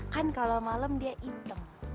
kan kalau malam dia hitam